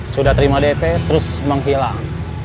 sudah terima dp terus menghilang